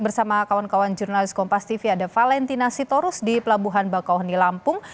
bersama kawan kawan jurnalis kompas tv ada valentina sitorus di pelabuhan bakauheni lampung